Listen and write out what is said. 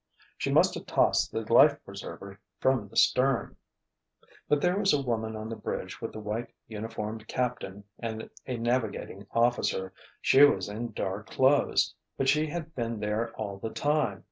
She must have tossed the life preserver from the stern. But there was a woman on the bridge with the white uniformed captain and a navigating officer. She was in dark clothes! But she had been there all the time.